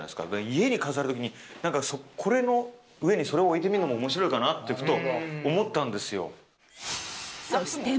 家に飾る時に、これの上にそれを置いてみるのも面白いかなってふと思ったんですよ。